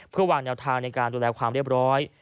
เพื่อวางแนวทางในการดูแลความเรียบร้อย